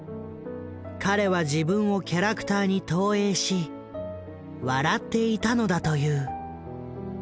彼は自分をキャラクターに投影し笑っていたのだという。